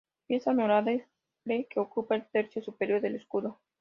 Pieza honorable que ocupa el tercio superior del escudo.